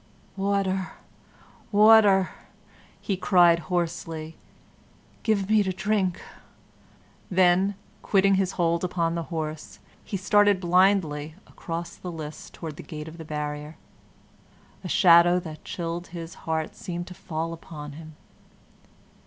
"Water! water!" he cried, hoarsely; "give me to drink!" Then, quitting his hold upon the horse, he started blindly across the lists towards the gate of the barrier. A shadow that chilled his heart seemed to fall upon him.